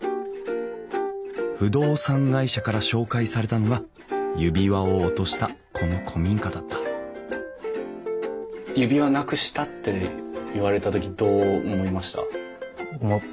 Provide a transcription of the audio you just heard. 不動産会社から紹介されたのが指輪を落としたこの古民家だった指輪なくしたって言われた時どう思いました？